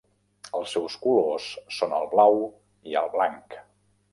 Els seus colors són el blau i el blanc.